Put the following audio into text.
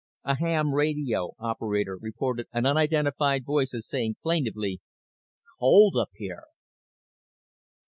A ham radio operator reported an unidentified voice as saying plaintively: "Cold up here!"